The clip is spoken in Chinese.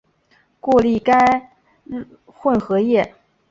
过滤该混合液。